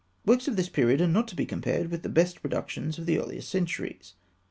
Works of this period are not to be compared with the best productions of the earlier centuries.